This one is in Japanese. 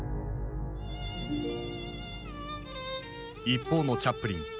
一方のチャップリン。